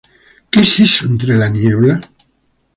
Who's That in The Fog?